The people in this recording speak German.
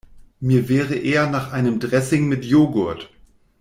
Mir wäre eher nach einem Dressing mit Joghurt.